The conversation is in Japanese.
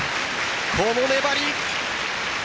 この粘り。